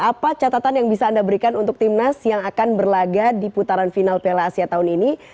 apa catatan yang bisa anda berikan untuk tim nasional yang akan berlagak di putaran final pla asia tahun ini